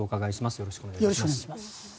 よろしくお願いします。